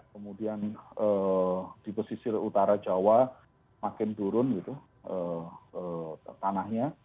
kemudian di pesisir utara jawa makin turun gitu tanahnya